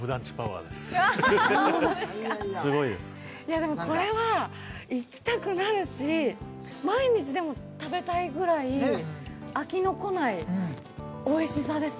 でもこれは行きたくなるし、毎日でも食べたいぐらい飽きの来ないおいしさです。